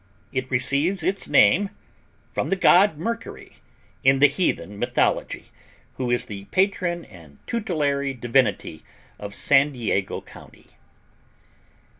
It receives its name from the God, Mercury, in the Heathen Mythology, who is the patron and tutelary Divinity of San Diego County.